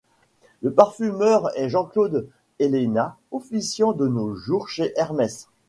Le parfumeur est Jean-Claude Ellena, officiant de nos jours chez Hermès.